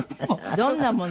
どんなもの？